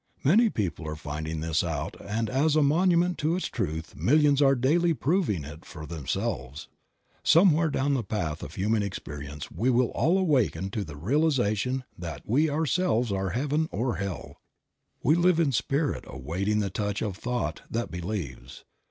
Many people are finding this out and as a monument to its truth millions are daily proving it for themselves. Somewhere down the path of human experience we will all awake to the realization that we ourselves are heaven or hell. We live in Spirit awaiting the touch of thought that believes.